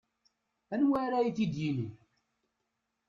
Anwa ara iyi-t-id-yinin?